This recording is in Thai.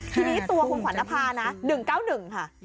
ทีนี้ตัวคุณขวัญนภานะ๑๙๑ค่ะ